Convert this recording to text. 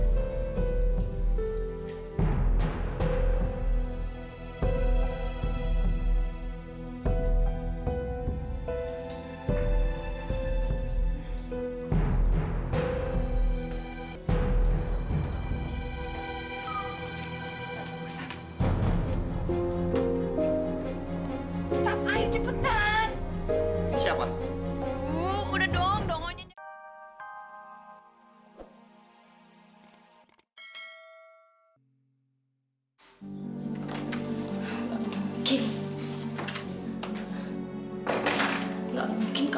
sampai jumpa di video selanjutnya